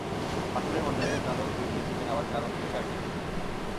ফাস্টফুডের মধ্যে কারও প্রিয় গ্রিলড চিকেন, আবার কারও প্রিয় ফ্রায়েড চিকেন।